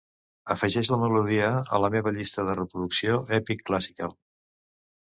Afegeix la melodia a la meva llista de reproducció Epic Classical.